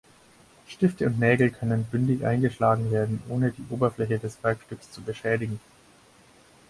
Stifte und Nägel können bündig eingeschlagen werden, ohne die Oberfläche des Werkstücks zu beschädigen.